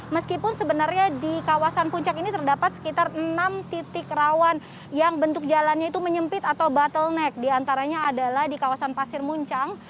meskipun sebenarnya di kawasan puncak ini terdapat sekitar enam titik rawan yang bentuk jalannya itu menyempit atau bottleneck diantaranya adalah di kawasan pasir muncang